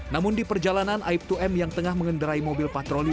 namun di perjalanan aib dua m yang tengah mengendarai mobil patroli